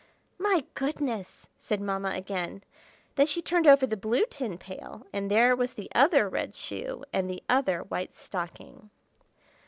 "My goodness!" said Mamma again. Then she turned over the blue tin pail, and there was the other red shoe and the other white stocking.